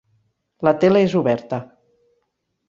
La tele és oberta.